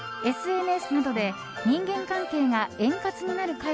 ＳＮＳなどで人間関係が円滑になる会